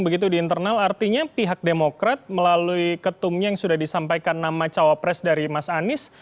begitu di internal artinya pihak demokrat melalui ketumnya disampaikan nama cowok presiden dari mas anies